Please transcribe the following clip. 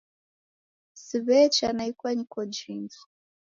Siw'echa kwa ikwanyiko jingi